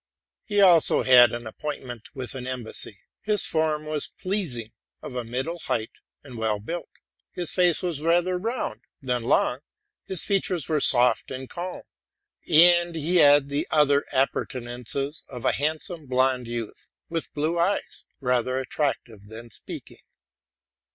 He also had an appointment with an embassy; his form was pleasing, of a middle height, and well built ; his face was rather round than long; his features were soft and calm; and he had the other appurtenances of a handsome blond youth, with blue eyes, rather attractive than speaking.